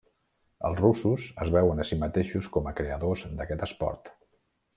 Els russos es veuen a si mateixos com a creadors d'aquest esport.